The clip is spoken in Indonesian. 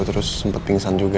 terus sempat pingsan juga